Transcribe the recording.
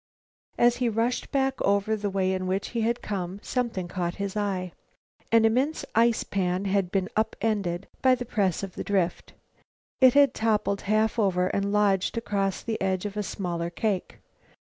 As he rushed back over the way in which he had come, something caught his eye. An immense ice pan had been up ended by the press of the drift. It had toppled half over and lodged across the edge of a smaller cake.